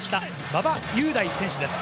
馬場雄大選手です。